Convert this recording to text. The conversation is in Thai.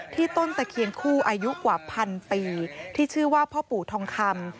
ต้นตะเคียนคู่อายุกว่าพันปีที่ชื่อว่าพ่อปู่ทองคำ